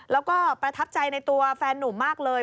แล้วก็ประทับใจในตัวแฟนนุ่มมากเลย